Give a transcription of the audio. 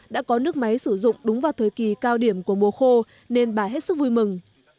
đã có nước máy sử dụng đúng vào thời kỳ cao điểm của mùa khô nên bà hết sức vui mừng